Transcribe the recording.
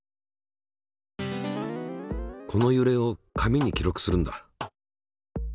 このゆれを紙に記録するんだ。